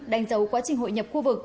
đánh dấu quá trình hội nhập khu vực